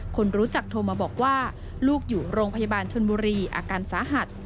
คนรู้จักโทรมาบอกว่าลูกอยู่โรงพยาบาลชนบุรีอาการสาหัส